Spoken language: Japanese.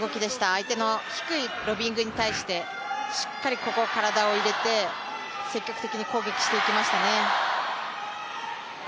相手の低いロビングに対してしっかり体を入れて積極的に攻撃していきましたね。